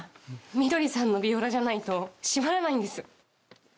みどりさんのヴィオラじゃないと締まらないんです。